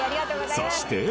そして。